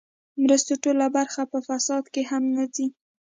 مرستو ټوله برخه په فساد کې هم نه ځي.